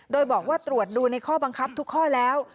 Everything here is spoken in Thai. โดยบอกว่าตรวจดูในข้อบังคับทุกข้อแล้ว